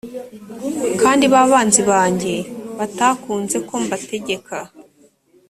kandi ba banzi banjye batakunze ko mbategeka